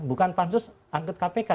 bukan pansus angkat kpk